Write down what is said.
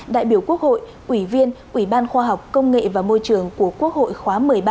đại biểu quốc hội ủy viên ủy ban khoa học công nghệ và môi trường của quốc hội khóa một mươi ba